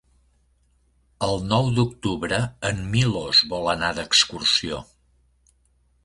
El nou d'octubre en Milos vol anar d'excursió.